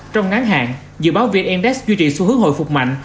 trong ngắn hạn dự báo vn index duy trì xu hướng hồi phục mạnh